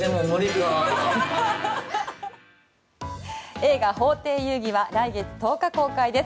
映画「法廷遊戯」は来月１０日公開です。